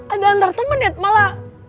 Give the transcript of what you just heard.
agak antar temen ya malah